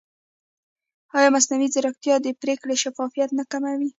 ایا مصنوعي ځیرکتیا د پرېکړې شفافیت نه کموي؟